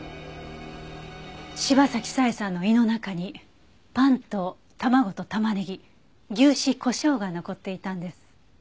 柴崎佐江さんの胃の中にパンと卵とタマネギ牛脂コショウが残っていたんです。